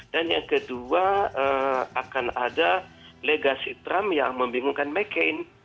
dan yang kedua akan ada legasi trump yang membingungkan mccain